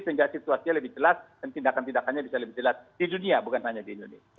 sehingga situasinya lebih jelas dan tindakan tindakannya bisa lebih jelas di dunia bukan hanya di indonesia